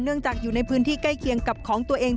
จากอยู่ในพื้นที่ใกล้เคียงกับของตัวเอง